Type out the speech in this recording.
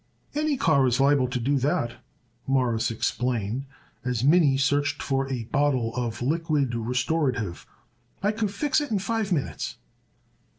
"Any car is liable to do that," Morris explained as Minnie searched for a bottle of liquid restorative. "I could fix it in five minutes."